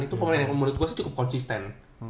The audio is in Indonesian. itu pemain yang menurut gue sih cukup konsisten